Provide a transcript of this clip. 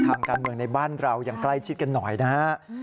ทางการเมืองในบ้านเราอย่างใกล้ชิดกันหน่อยนะฮะ